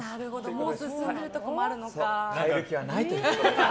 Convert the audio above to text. もう進んでいるところがあるのか。